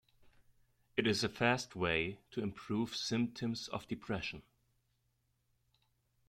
It is a fast way to improve symptoms of depression.